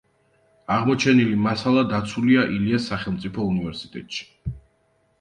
აღმოჩენილი მასალა დაცულია ილიას სახელმწიფო უნივერსიტეტში.